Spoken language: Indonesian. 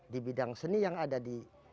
di bidang seni yang ada di